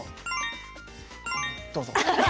どうぞ！